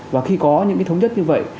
và khi có những thống nhất như vậy